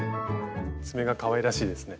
爪がかわいらしいですね。